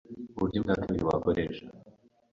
Uburyo bwa kabiri wakoresha